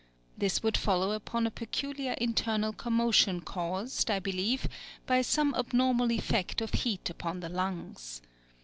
This would follow upon a peculiar internal commotion caused, I believe, by some abnormal effect of heat upon the lungs.